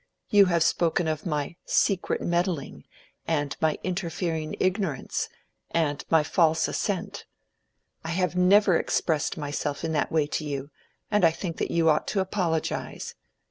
You have spoken of my 'secret meddling,' and my 'interfering ignorance,' and my 'false assent.' I have never expressed myself in that way to you, and I think that you ought to apologize.